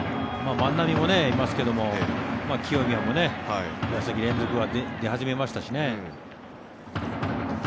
万波もいますけど清宮も２打席連続が出始めましたしね。